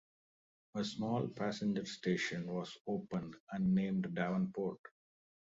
A small passenger station was opened and named Davenport.